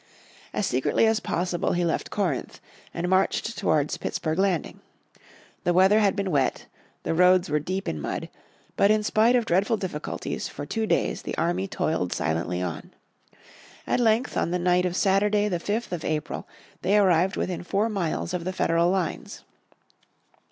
As secretly as possible he left Corinth, and marched towards Pittsburg Landing. The weather had been wet, the roads were deep in mud, but in spite of dreadful difficulties for two days the army toiled silently on. At length on the night of Saturday the 5th of April they arrived within four miles of the Federal lines.